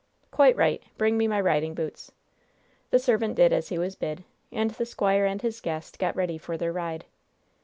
"Quite right. Bring me my riding boots." The servant did as he was bid, and the squire and his guest got ready for their ride.